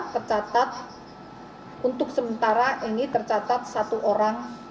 tercatat untuk sementara ini tercatat satu orang